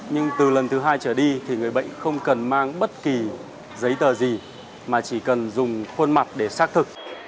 nhưng từ lần thứ hai trở đi thì người bệnh không cần mang bất kỳ giấy tờ gì mà chỉ cần dùng khuôn mặt để xác thực